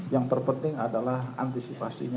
yang terpenting adalah antisipasi